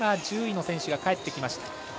１０位の選手が帰ってきました。